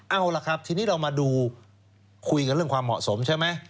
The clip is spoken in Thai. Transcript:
เอาล่ะครับทีนี้เรามาดูคุยกันเรื่องความเหมาะสมใช่ไหม